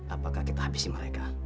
apakah kita habisi mereka